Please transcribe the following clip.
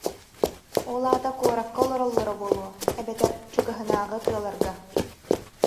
Ол аата куоракка олороллоро буолуо эбэтэр чугаһынааҕы тыаларга